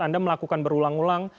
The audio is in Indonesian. anda melakukan berulang ulang